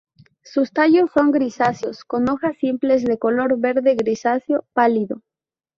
Sus tallos son grisáceos, con hojas simples de color verde-grisaceo pálido.